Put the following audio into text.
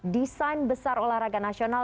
desain besar olahraga nasional